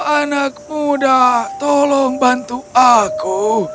anak muda tolong bantu aku